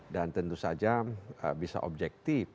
dan tentu saja bisa objektif